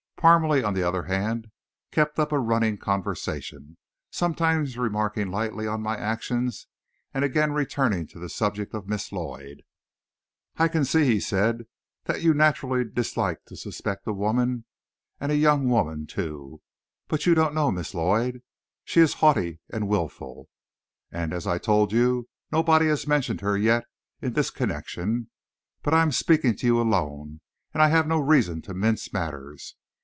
Parmalee, on the other hand, kept up a running conversation, sometimes remarking lightly on my actions, and again returning to the subject of Miss Lloyd. "I can see," he said, "that you naturally dislike to suspect a woman, and a young woman too. But you don't know Miss Lloyd. She is haughty and wilful. And as I told you, nobody has mentioned her yet in this connection. But I am speaking to you alone, and I have no reason to mince matters.